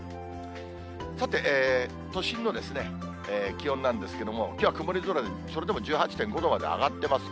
さて、都心の気温なんですけれども、きょうは曇り空で、それでも１８．５度まで上がってます。